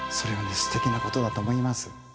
すてきな事だと思います。